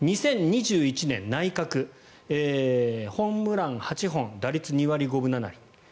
２０２１年、内角ホームラン８本打率２割５分７厘。